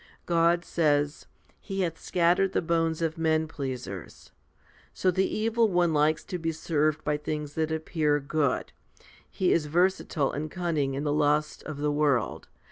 God says, He hath scattered the bones of men pleasers. 1 So the evil one likes to be served by things that appear good. He is versatile and cunning in the lusts of the world.